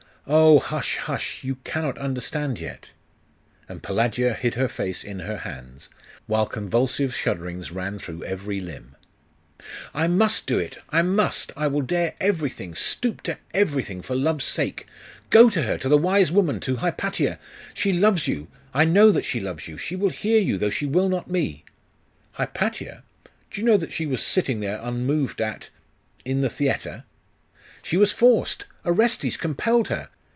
Oh, hush, hush! , you cannot understand yet!' And Pelagia hid her face in her hands, while convulsive shudderings ran through every limb.... 'I must do it! I must! I will dare every thing, stoop to everything for love's sake! Go to her! to the wise woman! to Hypatia! She loves you! I know that she loves you! She will hear you, though she will not me!' 'Hypatia? Do you know that she was sitting there unmoved at in the theatre?' 'She was forced! Orestes compelled her!